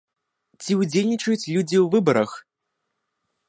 Ці ўдзельнічаюць людзі ў выбарах?